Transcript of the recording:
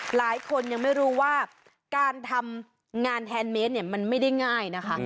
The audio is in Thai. หลายคนยังไม่รู้ว่าการทำงานแฮนดเมสเนี่ยมันไม่ได้ง่ายนะคะ